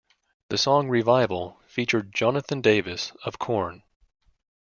The song "Revival" featured Jonathan Davis of Korn.